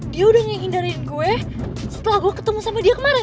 dia udah nyindarin gue setelah gue ketemu sama dia kemarin